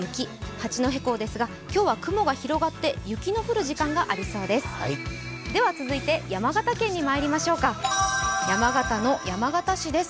八戸港ですが、今日は雲が広がって雪の降る時間がありそうです。